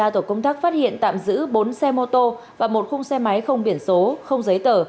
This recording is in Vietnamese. tổ công tác phát hiện tạm giữ bốn xe mô tô và một khung xe máy không biển số không giấy tờ